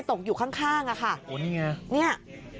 ตกอยู่ข้างข้างอ่ะค่ะโอ้นี่ไงเนี่ย